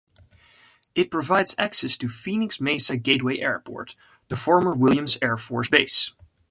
It provides access to Phoenix-Mesa Gateway Airport, the former Williams Air Force Base.